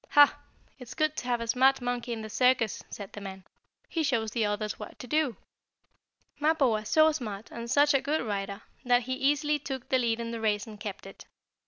"Ha! It's good to have a smart monkey in the circus," said the man. "He shows the others what to do." Mappo was so smart, and such a good rider, that he easily took the lead in the race, and kept it.